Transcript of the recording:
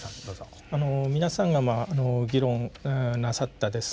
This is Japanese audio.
あの皆さんが議論なさったですね